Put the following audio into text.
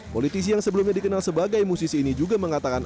politisi yang sebelumnya dikenal sebagai musisi ini juga mengatakan